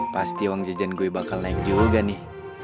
pasti uang jajan gue bakal naik juga nih